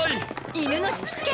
犬のしつけ！